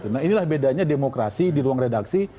nah inilah bedanya demokrasi di ruang redaksi